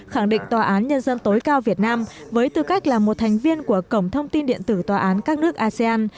khẳng định tòa án nhân dân tối cao việt nam với tư cách là một thành viên của cổng thông tin điện tử tòa án các nước asean